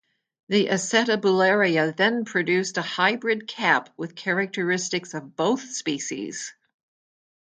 The "Acetabularia" then produced a hybrid cap with characteristics of both species.